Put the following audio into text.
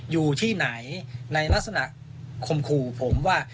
อยู่ที่ไหนในลักษณะคมขู่ผมว่า